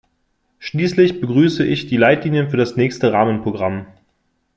Schließlich begrüße ich die Leitlinien für das nächste Rahmenprogramm.